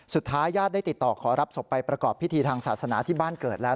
ญาติได้ติดต่อขอรับศพไปประกอบพิธีทางศาสนาที่บ้านเกิดแล้ว